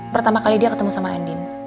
pertama kali dia ketemu sama andin